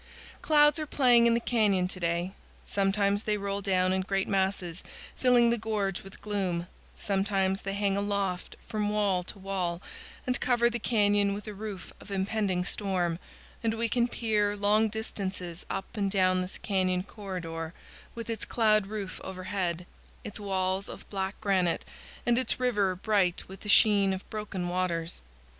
Clouds are playing in the canyon to day. Sometimes they roll down in great masses, filling the gorge with gloom; sometimes they hang aloft from wall to wall and cover the canyon with a roof of impending storm, and we can peer long distances up and down this canyon corridor, with its cloud roof overhead, its walls of black granite, and its river bright with the sheen of broken waters.